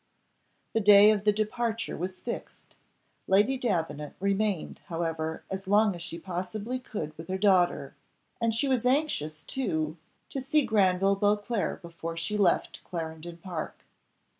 The day of departure was fixed Lady Davenant remained, however, as long as she possibly could with her daughter; and she was anxious, too, to see Granville Beauclerc before she left Clarendon Park.